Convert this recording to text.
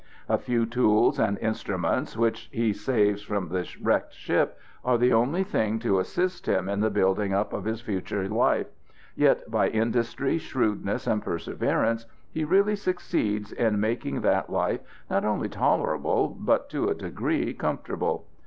A few tools and instruments which he saves from the wrecked ship are the only things to assist him in the building up of his future life, yet by industry, shrewdness, and perseverance he really succeeds in making that life not only tolerable, but to a degree comfortable.